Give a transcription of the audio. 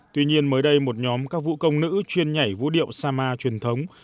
tuy nhiên mới đây một nhóm các vũ công nữ chuyên nhảy vũ điệu sama truyền thống